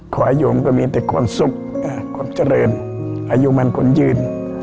ขวายุมันก็มีแต่คนสุขคนเจริญอายุมันคนยืน